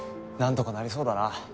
なんとかなりそうだな。